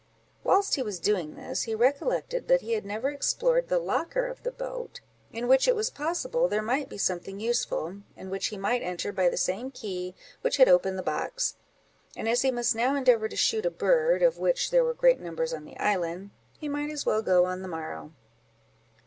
Whilst he was doing this, he recollected that he had never explored the locker of the boat, in which it was possible there might be something useful, and which he might enter by the same key which had opened the box; and as he must now endeavour to shoot a bird, of which there were great numbers on the island, he might as well go on the morrow.